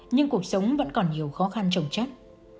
nhưng cuộc sống vẫn còn nhiều khó khăn trồng chất